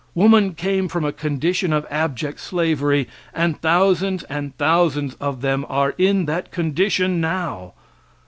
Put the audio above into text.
Woman came from a condition of abject slavery and thousands and thousands of them are in that condition now.